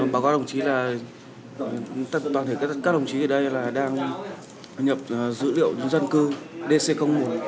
báo cáo đồng chí là toàn thể các đồng chí ở đây là đang nhập dữ liệu dân cư dc một